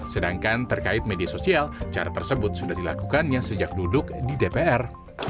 sedangkan terkait media sosial cara tersebut sudah dilakukannya sejak duduk di dpr